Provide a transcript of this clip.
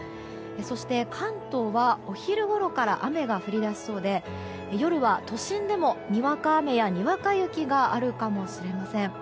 そして、関東はお昼ごろから雨が降り出しそうで夜は都心でもにわか雨やにわか雪があるかもしれません。